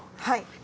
はい。